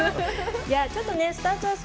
ちょっとねスタート